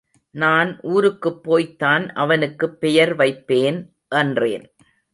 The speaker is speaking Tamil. நான் ஊருக்குப் போய்தான் அவனுக்குப் பெயர் வைப்பேன் என்றேன்.